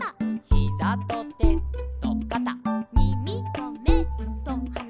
「ヒザとてとかた」「みみとめとはな」